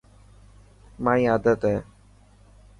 مائي آدت هي.